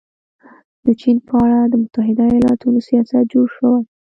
د چین په اړه د متحده ایالتونو سیاست جوړ شوی.